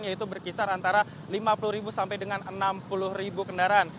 yaitu berkisar antara lima puluh sampai dengan enam puluh kendaraan